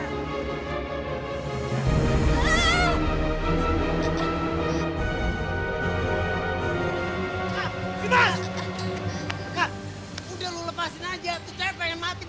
gue serius udah lepasin aja biarin dia mati